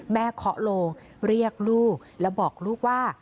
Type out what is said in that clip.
เคาะโลงเรียกลูกแล้วบอกลูกว่า